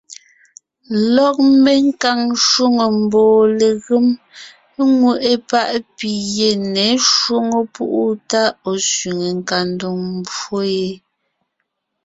Lɔg menkaŋ shwòŋo mbɔɔ legém ŋweʼe páʼ pi ye ně shwóŋo púʼu tá ɔ̀ sẅiŋe kandoŋ pwó yé.